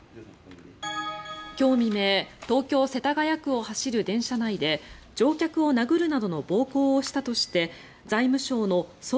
今日未明東京・世田谷区を走る電車内で乗客を殴るなどの暴行をしたとして財務省の総括